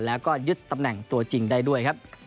และยึดตำแหน่งตัวจริงได้ด้วย